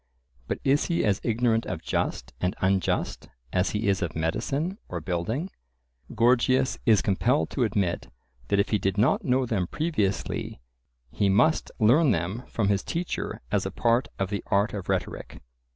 But is he as ignorant of just and unjust as he is of medicine or building? Gorgias is compelled to admit that if he did not know them previously he must learn them from his teacher as a part of the art of rhetoric.